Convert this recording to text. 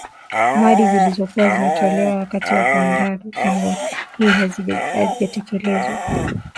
Ahadi zilizokuwa zinatolewa wakati wa kuandaa mipango hii hazijatekelezwa